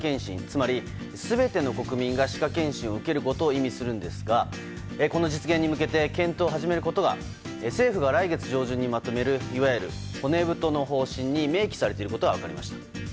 つまり全ての国民が歯科検診を受けることを意味するんですがこの実現に向けて検討を始めることが政府が来月上旬にまとめるいわゆる骨太の方針に明記されていることが分かりました。